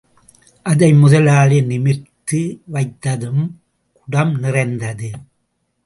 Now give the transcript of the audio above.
அதை முதலாளி நிமிர்த்து வைத்ததும் குடம் நிறைந்தது.